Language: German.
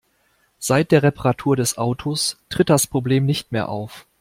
Seit der Reparatur des Autos tritt das Problem nicht mehr auf.